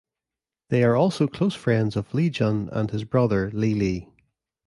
They are also close friends of Li Jun and his brother Li Li.